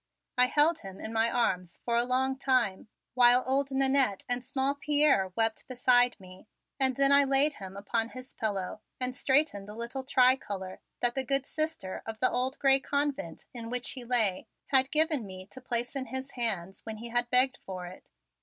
I held him in my arms for a long time, while old Nannette and small Pierre wept beside me, and then I laid him upon his pillow and straightened the little tricolor that the good Sister of the old gray convent in which he lay had given me to place in his hand when he had begged for it.